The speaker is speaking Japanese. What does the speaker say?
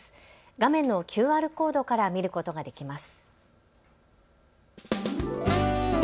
画面のＱＲコードから見ることができます。